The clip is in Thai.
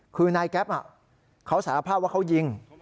คือนายแก๊ปเขาสารภาพว่าเขายิง